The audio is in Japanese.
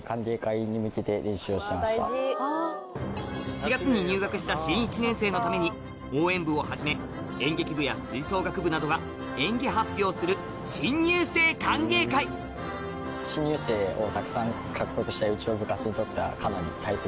４月に入学した新１年生のために応援部をはじめ演劇部や吹奏楽部などが演技発表する新入生歓迎会になってます。